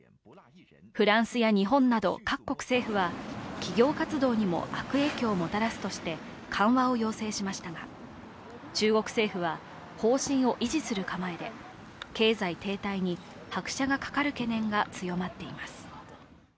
フランスや日本など各国政府は、企業活動にも悪影響をもたらすとして緩和を要請しましたが中国政府は方針を維持する構えで経済停滞に拍車がかかる懸念が強まっています。